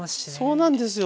そうなんですよ。